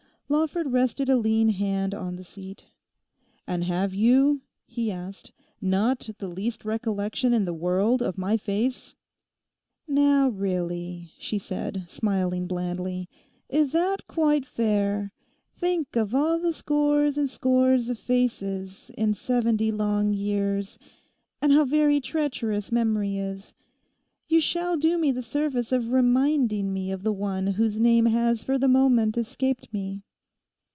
Lawford rested a lean hand on the seat. 'And have you,' he asked, 'not the least recollection in the world of my face?' 'Now really,' she said, smiling blandly, 'is that quite fair? Think of all the scores and scores of faces in seventy long years; and how very treacherous memory is. You shall do me the service of reminding me of one whose name has for the moment escaped me.